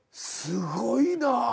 すごいな。